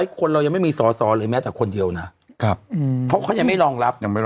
คนเรายังไม่มีสอสอเลยแม้แต่คนเดียวนะเพราะเขายังไม่รองรับ